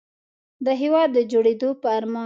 د هېواد د جوړېدو په ارمان.